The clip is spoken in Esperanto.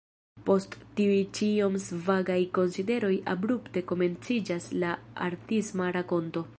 Post tiuj ĉi iom svagaj konsideroj abrupte komenciĝas la artisma rakonto.